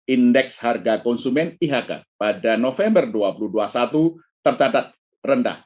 indeks harga konsumen ihk pada november dua ribu dua puluh satu tercatat rendah